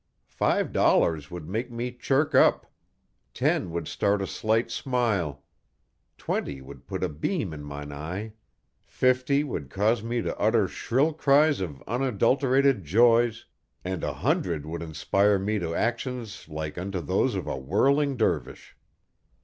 Five dollars would make me chirk up; ten would start a slight smile; twenty would put a beam in mine eye; fifty would cause me to utter shrill cries of unadulterated joys and a hundred would inspire me to actions like unto those of a whirling dervish.